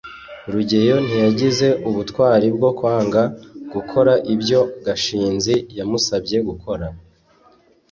rugeyo ntiyagize ubutwari bwo kwanga gukora ibyo gashinzi yamusabye gukora